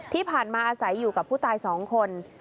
ที่ผ่านมาอาศัยอยู่กับผู้ตาย๒คน